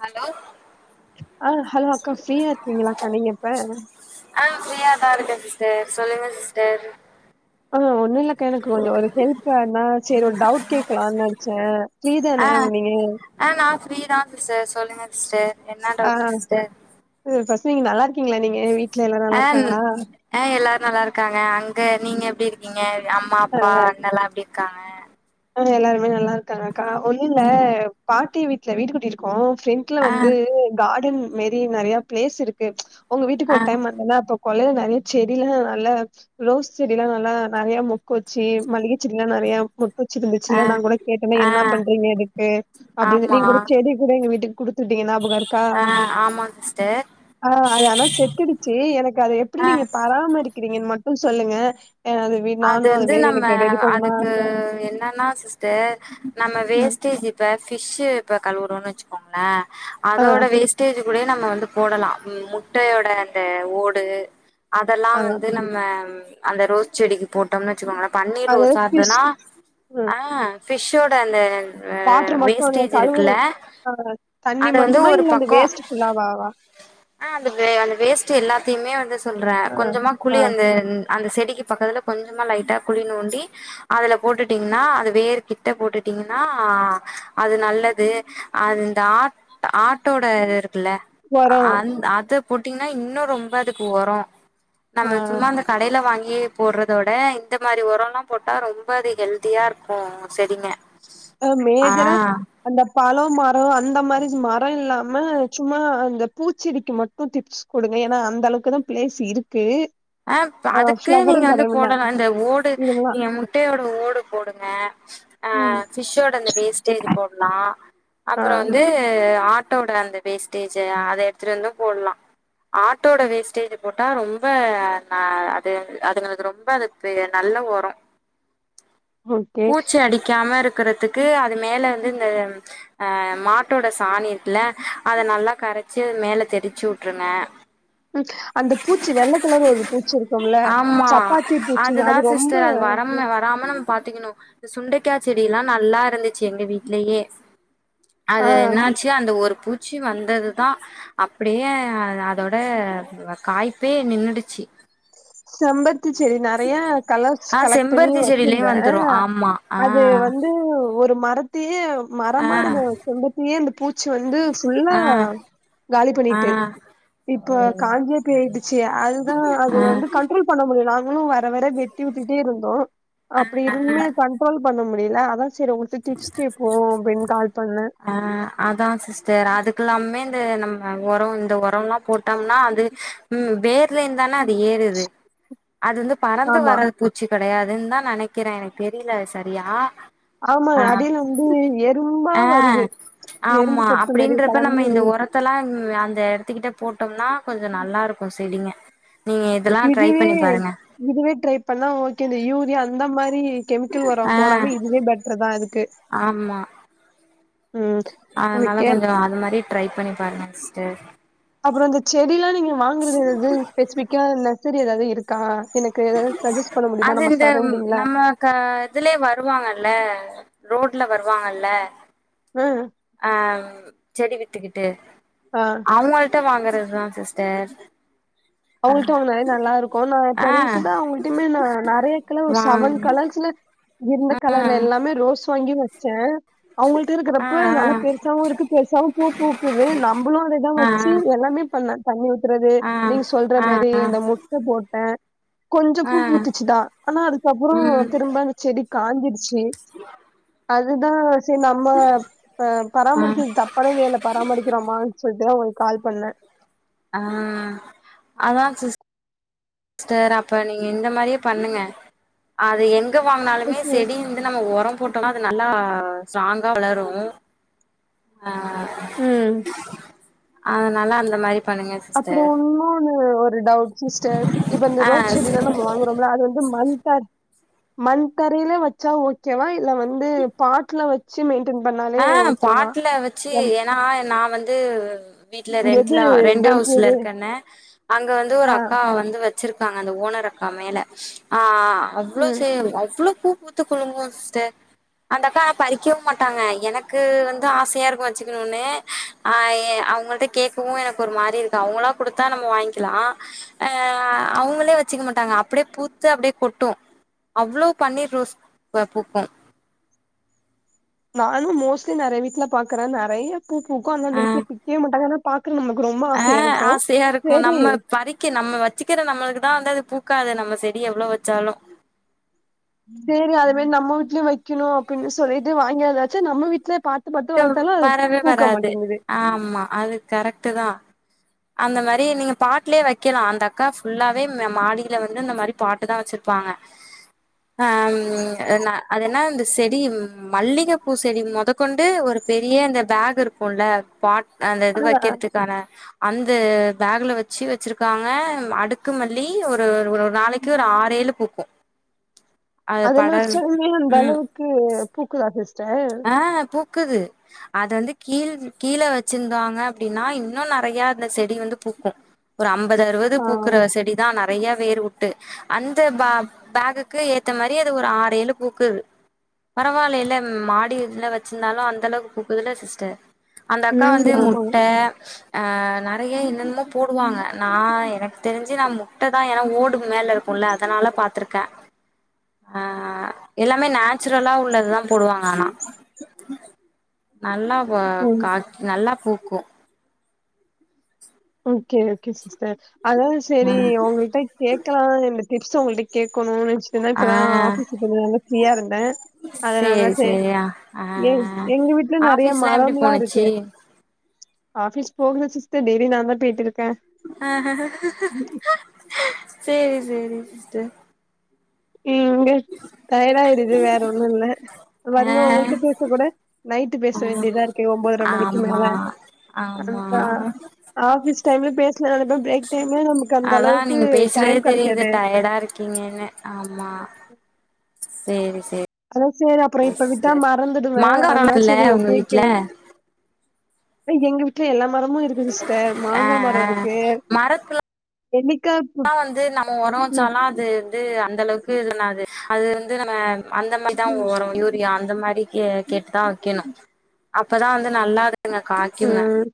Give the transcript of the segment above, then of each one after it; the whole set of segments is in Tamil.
ஹலோ ஆ ஹலோ அக்கா ஃப்ரீயா இருக்கீங்களா அக்கா நீங்க இப்ப ஆ ஃப்ரீயா தான் இருக்கே சிஸ்டர் சொல்லுங்க சிஸ்டர் ஆ ஒண்ணு இல்லக்கா எனக்கு கொஞ்சம் ஒரு ஹெல்ப் ஆனா சேரி ஒரு டவுட் கேட்கலானு நெனச்சே ஃப்ரீ ஆ தானே உ நீங்க ஆ நா ஃப்ரீதா சிஸ்டர் சொல்லுங்க சிஸ்டர் என்ன ஆ டவுட் சிஸ்டர் ஃபர்ஸ்ட் நீங்க நல்லா இருக்கீங்களா நீங்க வீட்ல எல்லா ஆ நல்லா ந- இருக்காங்களா ஆ எல்லாரு நல்லா இருக்காங்க அங்க நீங்க எப்டி இருக்கீங்க அம்மா அப்பா அண்ணலா எப்டி இருக்காங்க ஆ எல்லாருமே நல்லா இருக்காங்க கா ஒன்னு இல்ல பாட்டி வீட்ல வீடு கட்டிருக்கோ ஃப்ரெண் ட்ல ஆ வந்து கார்டன் மேரி நெறைய பிளேஸ் இருக்கு உங்க வீட்டுக்கு ஆ ஒரு டைம் வந்தல அப்ப கொல்லையில நெறைய செடில நல்ல ரோஸ் செடிலா நல்லா நெறைய மொக்கு வச்சு மல்லிகை செடிலா நெறைய மொ ஆ சிருந்துச்சுல்ல நா கூட கேட்டனே ஆ என்ன பண்றீங்க இதுக்கு அப்டின்னு ஆமா நீங்க கூட செடி கூட எங்க வீட்டுக்கு குடுத்துட்டீங்க ஞாபகம் இருக்கா ஆ ஆமா சிஸ்டர் ஆ அது ஆனா செத்துடுச்சு எனக்கு அது எப்டி ஆ நீங்க பராமரிக் க்கிறீங்கனு மட்டு சொல்லுங்க அ அது வீ அது நானும் வந்து மாரி நம்ம எனக்கு ரெடி பண்ணனும்னு அதுக்கு ஆச. என்னன்னா சிஸ் டர் நம்ம ம். வேஸ்டேஜ் இப்ப ஃபிஷ்ஷு இப்ப கழுவுறோன்னு வச்சுக்கோங்களே ஆ அதோட வேஸ்ட்டேஜ் கூட நம்ம வந்து போடலா ம் முட்டையோட அந்த ஓடு அதல்லா ஆ வந்து நம்ம அந்த ரோஸ் செடிக்கு போட்டோம்னு வச்சுக்கோங்கள பன்னீர் அது ரோசா ஃபிஷ் இருந்துனா ஆ ஃபிஷ்ஷோட அந்த அ வாட்டர் மட்டு அந்த வேஸ்டேஜ் கழுவுற இருக்குல்ல ஆ தண்ணி அத வந்து மட்டுமா ஒரு இல்ல அந்த பக்கோ வேஸ்ட் ஃபுல்லாவாவா ஆ அந்த வே அந்த வேஸ்ட்டு எல்லாத்தையுமே வந்து சொல்ற ஆ கொஞ்சமா ஆ குழி அந்த அந்த செடிக்கு பக்கத்துல கொஞ்சமா லைட்டா குழி நோண்டி அதுல போட்டுட்டீங்கன்னா அது வேர் கிட்ட போட்டுட்டீங்கன்னா அது நல்லது அது இந்த ஆ ஆட்டோட இது இருக்குல்ல ஒரோ அ அத போட்டீங்கன்னா இன்னு ரொம்ப அதுக்கு ஒரோ ஆ நம்ம சும்மா இந்த கடையில வாங்கியே போட்றத் தோட இந்த மாரி ஒரம்லா போட்டா ரொம்ப அது ஹெல்தியா இருக்கும் செடிங்க ஆ மேஜரா ஆ அந்த பழம் மரம் அந்த மாரி மரம் இல்லாம சும்மா அந்த பூச்செடிக்கு மட் ட்ரு டிப்ஸ் கொடுங்க ஏன்னா அந்தளவுக்கு தா பிளேஸ் இருக்கு ஆ அதுக்கு நீங்க ஃப்ளவரிங் வந்து கடவுனா போடலா இந்த ஓடு இதுவெல்லா நீங்க முட்டையோட ஓடு போடுங்க ஆ ம் ஃபிஷ்ஷோட அந்த வேஸ்டேஜ் போட்லா ஆ அப்புற வந்து ஆட் டோட அந்த வேஸ்டேஜ்ஜு அத எடுத்துட்டு வந்தும் போட்லா ஆட்டோட வேஸ்டேஜு போட்டா ரொம்ப ஆ அது அதுங்களுக்கு ரொம்ப அது பெ நல்ல ஒரோ ஓகே பூச்சி அடிக்காம இருக்கறதுக்கு அது மேல வந்து இந்த ஆ மாட்டோட சாணி இருக்குல அத நல்லா கரச்சு அது மேல தெரிச்சு விட்டுருங்க ம் அந்த பூச்சி வெள்ள கலர் ஒரு பூச்சி இருக்கும்ல ஆமா சப்பாத்தி பூச்சிங்க அதுதா அது ரொம்ப சிஸ்டர் அது வரம்னு வராம நம் பாத்துக்கணு இந்த சுண்டைக்கா செடி எல்லா நல்லா இருந்துச்சு எங்க வீட்லயே ஆ அது என்னாச்சு அந்த ஒரு பூச்சி வந்ததுதா அப்டியே அதோட காய்ப்பே நின்னுடுச்சு செம்பருத்தி செடி நெறைய கலர்ஸ் ஆ கலெக்ட் பண்ணி செம்பருத்தி செடிலயு வச்சிருந்த வந்துரு ஆமா ஆ அது வந்து ஒரு மரத் தையே ஆ மரமா இருந்த செம்பருத்தியே அந்த பூச்சி வந்து ஃபுல்லா ஆ காலி ஆ பண்ணிட்டு இப்ப காஞ்சே பேய்டுச்சு அதுதா ஆ அது வந்து கண்ட்ரோல் பண்ண முடில நாங்களு வர வர வெட்டி உட்டுட்டே இருந்தோ அப்டி இருந்துமே அது கண்ட் கன்ட்ரோல் பண்ண முடில அதா சேரி உங்கள்ட்ட டிப்ஸ் கேப்போ அப்டின்னு கால் பண்ண ஆ அதா சிஸ்டர் அதுக்கெல்லாமுமே இந்த நம்ம ஒரோ இந்த ஒரம்லா போட்டோம்னா அது ம் வேர்லேந்து தான அது ஏறுது அது வந்து பறந்து ஆமா வர்ற பூச்சி கெடையாதுன்னு தா நெனைக்கிறேன் எனக்கு தெரியல அது சரியா ஆமா ஆ அடியில வந்து எறும்பா ஆ வருது எறும்பு ஆமா கொத்து மாரி அப்டின்றப்ப நம்ம கெளம்பி இந்த ஒர த்தல்லா அந்த எடத்துக்கிட்ட போட்டோம்னா கொஞ்ச நல்லா இருக்கு செடிங்க நீங்க இதெல்லா ட்ரை இதுவே பண்ணி பாருங்க இதுவே ட்ரை பண்ணா ஓகே இந்த யூரியா அந்த மாரி கெமிக்கல் ஒரம் ஆ போடாம இதுவே பெட்டர் தா இது ஆமா ம் அதனால ஓகே கொஞ்ச அது மாரி ட்ரை பண்ணி பாருங்க சிஸ்டர் அப்புற இந்த செடில்லா நீங்க வாங்குறது எது ஸ்பெசிஃபிக்கா நர்சரி எதாவது இருக்கா எனக் கு ஏதாது சஜ்ஜஸ்ட் பண்ண முடியுமா அது நம்ம இந்த சரவுண்டிங்ல நம்ம க இதுலயே வருவாங்கல்ல ரோட்ல வருவாங்கல்ல ம் ஆ செடி வித்துக்கிட்டு ஆ அவங்கள்ட்ட வாங்கறதுதா சிஸ்டர் அவுங்கள்ட்ட வாங்குனாலே நல்லா இருக்கு நா இப்ப ஆ ரீசென் ட்டா அவங்கள்ட்டுமே நா நெறையா கலர்ஸ் வா செவன் கலர்ஸ்ல இருந்த ஆ கலர்ல எல்லாமே ரோஸ் வாங்கியு வெச்சே அவங்கள்ட்ட ஆ ஆ இருக்கிறப்ப நல்லா பெருசாவு இருக்கு பெருசாவு பூ பூக்குது நம்பளோட இதா வெ ஆ சி எல்லாமே பண்ணே தண்ணி ஊத்துறது ஆ நீங்க சொல்ற ஆ மாரி அந்த முட்ட போட்டே கொஞ்சோ ஆ பூ பூத்துச்சிதா ஆனா அதுக்கப்றோ ம் திரும்ப செடி காஞ்சிருச்சி அதுதா செரி நம்ம அ பராமரிக்கிறது தப்பான வேல பராமரிக்கிறோமான் சொல்ட்டு அவுங்களுக்கு கால் பண்ணே ஆ அதா சிஸ் டர் அப்ப நீங்க இந்த மாரியே பண்ணுங்க அது எங்க வாங்கினாலுமே செடி நம்ம ஒரோ போட்டோனா அது நல்லா ஸ்ட்ராங்கா வளரு ஆ ம் அதனால அந்த மாரி பண்ணுங்க அப்றோ சிஸ்டர் உன்னோன்னு ஒரு டவுட் சிஸ்டர் இப்ப இந்த ஆ ரோஸ் ஸ் செடிலலா நம்ம வாங்கறோம்ல அது வந்து மண் பாட் மண் தரையில வெச்சா ஓகேவா இல்ல வந்து பாட்ல வெச் சி மெயின்டென் பண்ணாலே ஓகேவா எம் நா நா வந்து வீட்ல ரெண்ட்ல எது ரெண்ட் பென் ஹவுஸ்ல இருக்கன்னே அங்க வந்து ஒரு ஆ அக்கா வந்து வெச் வெச்சிருக்காங்க அந்த ஓனர் அக்கா மேல ஆ அவ்ளோ ம் சே அவ்ளோ பூ பூத் த்து குளுங்கு சிஸ்டர் அந்த அக்கா பறிக்கவு மாட்டாங்க எனக்கு வந்து ஆசையாருக்கு வெச்சிக்கணுனே அ இ அவுங்கள்ட்ட கேக்கவு எனக்கு ஒரு மாரி இருக்கு அவுங்களா குடுத்தா நம்ம வாய்ங்கிலா அ அவுங்களே வெச்சிக்க மாட்டாங்க அப்டியே பூத்து அப்டியே கொட்டு அவ்ளோ பண்ணீர் ரோஸ் அ பூக்கு நானு மோஸ்லி நெறைய வீட்ல பாக்கறே நெறைய பூ பூக்கு அந்த ஆ வீட்ல பிக்கவே மாட்டாங்க ஆனா பாக்கற நமக்கு ரொம்போ ஆசையா இருக்கு சேரி ஓகே நம்ம வெச்சிக்கிற நம்மளுக்கு தா வந்து அது பூக்காது நம்ம செடி எவ்ளோ வெச்சாலு சேரி அது மேரி நம்ம வீட்லயு வெய்க்கணு அப்டினு சொல்லிட்டு வாங்கியாந்து வெச்சி நம்ம வீட்ல பா [unintelligible] வரவே வராது ஆமா அது கரெக்டு தா அந்த மேரி நீங்க பாட்லயே வெய்க்கலா அந்த அக்கா ஃபுல்லாவே ம் மாடியில வந்து இந்த மாரி பாட்டு தா வெச்சிருப்பாங்க ஆ ம் நா அதென்ன இந்த செடி மல்லிக பூ செடி மொதக்கொண்டு ஒரு பெரிய இந்த பேகு இருக்குல்ல பாட் அந்த ஆ இது வெக்கிறதுக்காக அந்த பேகுல வெச்சி வெச்சிருக்காங்க அடுக்கு மல்லி ஒரு ஒரு ஒரு நாளைக் கு ஒரு ஆறேழு பூக்கு அது அதுலா படர் வெச்சா உண்மையா அந்த ம் அளவுக்கு பூக்குதா சிஸ்டர் ஆ பூக்குது அது வந்து கீழ் கீழ வெச்சிருந்தாங்க அப்டின்னா இன்னு நெறையா அந்த செடி வந்து பூக்கு ஒரு அம்பது அறுவது ஆ பூக்குற செடி தா நெறையா வேர் உட்டு அந்த பா பேகுக்கு ஏத்த மாரி அது ஒரு ஆறேழு பூக்குது பரவாயில்லல மா ட்டு இதுல வச்சிருந்தாலும் அந்த அளவுக்கு பூக்குதுல சிஸ்டர் அந்த அக்கா ம் வந்து ஆமா முட்ட ஆ நிறைய என்னன்னமோ போடுவாங்க நா எனக்கு தெரிஞ்சி நா முட்ட தான் ஏனா ஓடுக்கு மேல இருக்கும் உள்ள அதனால பாத்துருக்க ஆ எல்லாமே நேச்சுரலா உள்ளதுதான் போடுவாங்க ஆனா நல்லா வ ம் கா நல்லா பூக்கும் ஓகே ஓகே சிஸ்டர் அதான் சேரி உங்ககிட்ட கேக்கலாம் இந்த டிப்ஸ் உங்கள்ட்ட கேக்கணும்னு நினைச்சிட்டு இருந்த ஆ இப்பதான் ஆபீஸ் போய்ட்டு வந்து நா ஃப்ரீயா இருந்த அதனால சேரி செ சேரியா ஆ எ ஆ எங்க வீட்டுல நிறைய ஆஃபீஸ்லா எப்டி மரம்ல்லா போனுச்சு இருக்கு ஆஃபிஸ் போகனும் சிஸ்டர் டெய்லி நா தான் பேய்ட்டு இருக்க ஆ சேரி சேரி சிஸ்டர் எங்க டயடாய்டுது வேற ஒன்னு இல்ல ஆ வருவ உங்கள்ட்ட பேச கூட நைட்டு பேச வேண்டியதா இருக்கு ஒன்பதரை மணிக்கு மேல ஆமா ஆமா ஆஃபீஸ் டைம்ல பேசனு நெனப்ப பிரேக் டைம்ல நமக்கு அந்த அதா அளவுக்கு டைம் கெடைக்காது நீங்க என்ன ஆமா சேரி சேரி அதான் சேரி அப்புறம் இப்ப விட்டா சிஸ்டர் மறந்துடுவேன் மாங்கா மரோ அதான் இருக்குல்ல சேரி ஓ உங்க வீட்ல கேக்குற இப்ப எங்க வீட்டுல எல்லா மரமும் இருக்கு சிஸ்டர் ஆ மாங்கா மரம் ஆ இருக்கு நெல்லிக்கா என்னதா வந்து நம்ம உரம் ம் வச்சாலும் அது வந்து அந்த அளவுக்கு இது பண்ணாது அது வந்து நம்ம அந்த மாதிரி தான் ம் உரம் யூரியா அந்த மாதிரி கே கேட்டு தான் வைக்கணும் அப்பதான் வந்து நல்லா காய்க்குக ம்,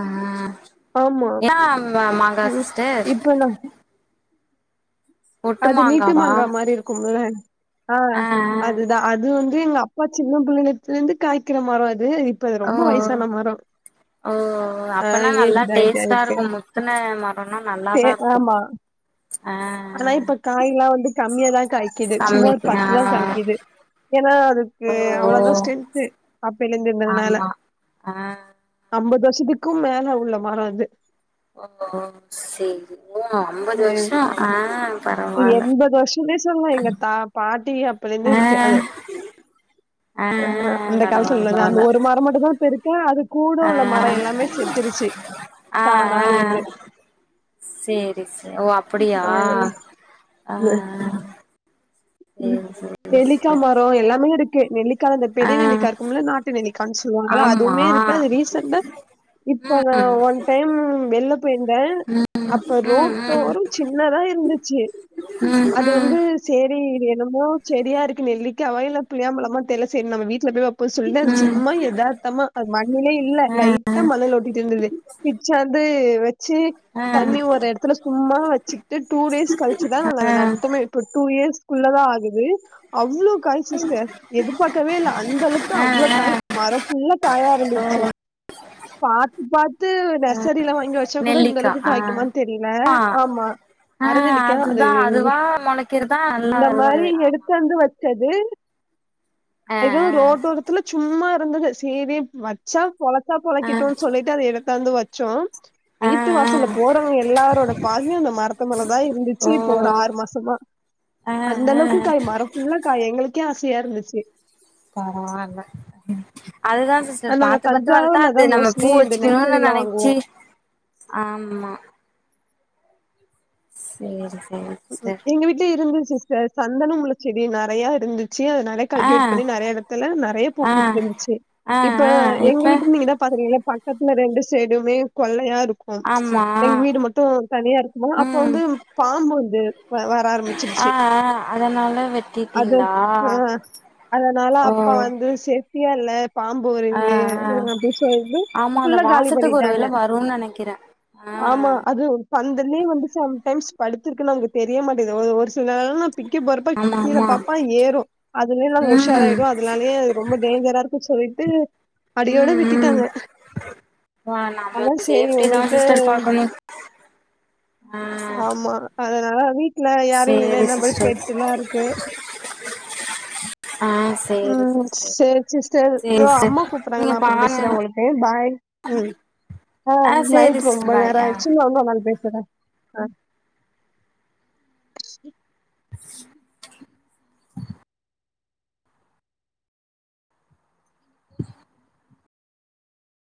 ஆ என்னா மா மாங்காஸ் இப்பந்தா ஒட்டு அது நீட்டு மாங்காவா மாங்கா மாரி இருக்கும்ள ஆ அதுதான் அது வந்து எங்க அப்பா சின்ன பிள்ளையில இருந்து காய்க்கிற மரம் அது இப்ப அது ஆ ஓ ரொம்ப வயசான மரம் ஓ ஆ அப்பனா நல்லா ஏஜ்டு ஆயிட்டு டேஸ்ட்டா ஆயிட்டு இருக்கும் முத்துன மரம்னா தே நல்லாதான் இருக்கும் ஆமா ஆனா இப்ப காய்ல்லாம் வந்து கம்மியாதான் காய்க்குது சும்மா ஒரு கம்மிக்கு ஆ பத்துதான் காய்க்குது ஏனா அதுக்கு ஓ ஓ அவ்வளோதான் ஸ்ட்ரென்து அப்பயிலருந்து இருந்ததுனால ஆமா ஆ ஐம்பது வருஷத்துக்கும் மேல உள்ள மரம் அது ஓ ஓ சேரி ஓ அம்பது வருஷம் ஆ பரவால்ல எண்பது வருஷமே சொல்லாம் எங்க தா பாட்டி அப்பயில இருந்தே ஆ இருக்கு அது ஆ ஆ அ அந்த காலத்துல பரவால்ல உள்ளது அந்த பரவால்ல ஒரு மரம் மட்டும் தான் பெரு சு அது கூட ஆ உள்ள மரம் எல்லாமே செத்துருச்சு ஆ தானா ஆ விழுந்து சேரி செ ஓ அப்படியா ஆ ஆ ஆ ம் நெல்லிக்கா மரம் எல்லாமே இருக்கு நெல்லிக்கால இந்த ஆ பெரிய நெல்லிக்கா இருக்கும்ல நாட் டு நெல்லிக்கான் சொல்லுவாங்கள ஆமா அதுவுமே இருக்கு அது ரீசண்டா இப்ப ம் ஒன் டைம் வெளில போயிருந்தன் ம் ம் அப்ப ம் ரோட்டோரம் சின்னதா இருந்துச்சு அ ஆ சேரி இது என்னமோ செடியா இருக்கு நெல்லிக்காவா இல்ல புளியாம்பழமா தெரியல சேரி நம்ம வீட்டுல போய் வெப் போம் சொல்லி ம் அது ம் சும்மா எதார்த்தமா அது மண்ணிலே இல்ல ஆ லைட் டா மண்ணுல ஒட்டிட்டு இருந்தது பிச்சாந்து வெச்சு ஆ தண்ணி ஒரு எடத்துல சும்மா வச்சுட்டு டூ டேஸ் கழிச்சுதான் நாங்க அத ஆ நட்டுமே இப்போ டூ இயர்ஸ் குள்ளதான் ஆகுது அவ்வளோ காய் சிஸ்டர் எதிர்பார்க்கவே இல்ல அந்தளவுக்கு ஆ அவ்வளோ ஆ காய் மர ஃபுல்லு காயா இருந்துச்சு பாத்து பாத்து நர்சரில வாங்கி வச்சா கூட இந்த நெல்லிக்கா அளவுக்கு ஆ காய்க்குமானு தெரியில ஆ ஆம்மா அறநெல்லிக்கா அது ஆ மொளக்கிறதா இந்த மாரி எடுத்தாந்து வச்சது எதோ ரோட் ஓரத் துல சும்மா இருந்தது சேரி வச்சா பொழச்சா ஆ ஆ பொழைக்கிட்டுன் சொல்லிட்டு அத எடுத்தாந்து வச்சோ ஆ ஆ வீட்டு ஆ வாசல்ல போறவுங் எல்லாரோட பார்வியு இந்த மரத்து மேலதா இருந்துச்சு ஓ இப்ப ஒரு ஆறு மாசமா ஆ அந்த ஆ அளவுக்கு காய் மர ஃபுல்லா காய் எங்களுக்கே ஆசையா இருந்துச்சு பரவால்ல ம் அதுதா சிஸ்டர் நாங்க பாத்து பாத்து வளத்தா தஞ்சாவூர்ல தா அது நம்ம பூ மோஸ்ட்லி இந்த வெச்சுக்ணுன்னு நர்சரிலா வாங்குவோ நெனைச்சி ஆம்மா சேர் சேரி ம் ம் சிஸ்டர் எங்க வீட்டு்ல இருந்துது சிஸ்டர் சந்தனமுள்ளச்செடி நறையா இருந்து ச்சு அத நெறைய ஆ கல்டிவேட் பண்ணி நெறைய இடத்துல நெறைய பூ ஆ பூத் துருந்துச்சு ஆ இப்ப ஆ அ எங்க இப்ப வீட்டு நீங்கதா பாத்திருக்கீங்கள பக்கத்துல ரெண்டு சேடுமே கொள்ளையா ருக் அ ஆமா எங்க வீடு மட்டு தனியா இருக்குமா அப்ப ம் வந்து பாம்பு வந் து வ வர ஆ ஆரம்பிச்சிருச்சு ஆ அதனால அது வெட்டிட்டீங்களா அ அதனால ஓ அப்ப வந்து சேஃப்டியா இல்ல பாம்பு ஆ வருது ஆ அப்படின் சொல்ட்டு ஆமா அந்த ஃபுல்லா காலி வாசத்துக்கு ஒரு பண்ணிட்டாங்க வேள வரும்னு நெனைக்கிறே ஆ ஆமா அது பந்தலே வந்து சம்டைம்ஸ் படுத்துருக்குன்னு நமக்கு தெரிய மாட்டேது ஒரு ஒருஸ் சிலநேரொ நா பிக்க போறப்ப ஆமா கீழ ஆமா பாப்பா ஏறும் அதுலே நாங் உஷார ம் ஆயிடு அதுனாலே ரொம்ப டேஞ்சரா இருக்கு சொல்ட்டு அடியோட விட்டுடாங்க பா நமக் சேஃப்டி தா சிஸ்டர் பாக்கணு அ ஆமா அதனால வீட்டுல யாரூ இல்லினா என்ன பன் சிஸ்டர் பேட்டுலா ருக்கு ஆ ஸ் ம் சேரி சிஸ்டர் தோ சிஸ்டர் அம்மா கூப்பறாங்க நீங்க நா அப்புற பாருங்க பேசுற உங்களுக்கு பாய் ம் அ ஆ சேரி நைட் ரொம்ப சிஸ்டர் பாய் நேர ஆ ஆய்டுச்சு நா இன்னொரு நாளு பேசுற